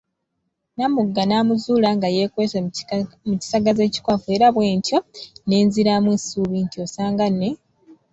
Namugga namuzuula nga yeekwese mu kisagazi ekikwafu era bwentyo nenziramu essuubi nti osanga ne